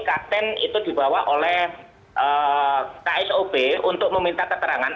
kapten itu dibawa oleh ksop untuk meminta keterangan